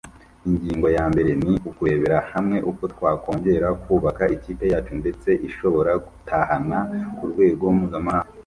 Ingingo ya mbere ni ukurebera hamwe uko twakongera kubaka ikipe yacu ndetse ishobora guhatana ku rwego mpuzamahanga.